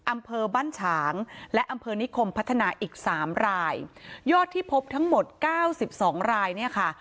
อำเภอบ้านฉางและอำเภอนิคมพัฒนาอีกสามรายยอดที่พบทั้งหมดเก้าสิบสองรายเนี่ยค่ะ